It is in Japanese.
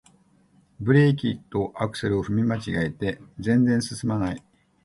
ブレーキとアクセルを踏み間違えて全然すすまない